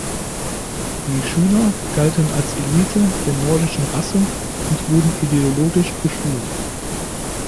Die Schüler galten als „Elite“ der „nordischen Rasse“ und wurden ideologisch geschult.